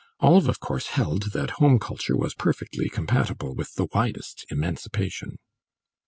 (Olive of course held that home culture was perfectly compatible with the widest emancipation.)